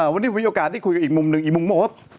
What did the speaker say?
วันนี้มีโอกาสที่คุยกับอีกมุมนึงอีกมุมบอกว่า